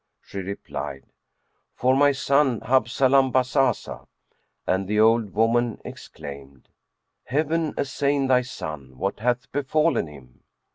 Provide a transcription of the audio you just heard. She replied, "For my son Habzalam Bazazah;" and the old woman exclaimed, "Heaven assain thy son!; what hath befallen him?"